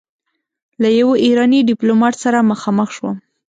له يوه ايراني ډيپلومات سره مخامخ شوم.